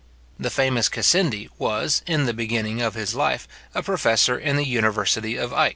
The famous Cassendi was, in the beginning of his life, a professor in the university of Aix.